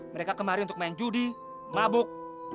mereka kemari untuk main judi mabuk